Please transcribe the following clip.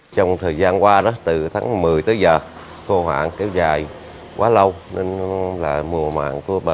trong thời gian qua đó từ tháng một mươi tới giờ cô hoàng kéo dài quá lâu nên là mùa mạng của bà